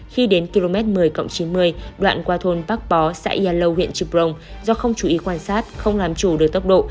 khi đến km một mươi chín mươi đoạn qua thôn bắc bó xã yà lâu huyện trư prong do không chú ý quan sát không làm chủ được tốc độ